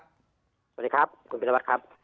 สวัสดีครับคุณพินวัฒน์ครับ